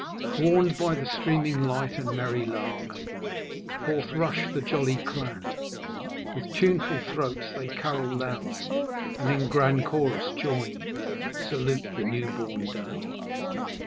"Warn'd by the streaming light and merry lark, Forth rush the jolly clan; with tuneful throats They carol loud, and in grand chorus joined, Salute the new born day.